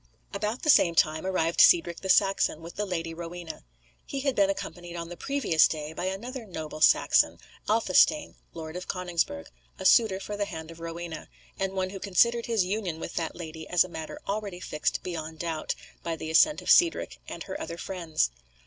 About the same time arrived Cedric the Saxon with the Lady Rowena. He had been accompanied on the previous day by another noble Saxon, Athelstane, Lord of Coningsburgh, a suitor for the hand of Rowena, and one who considered his union with that lady as a matter already fixed beyond doubt, by the assent of Cedric and her other friends.